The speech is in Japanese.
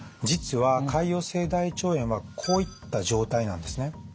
実は潰瘍性大腸炎はこういった状態なんですね。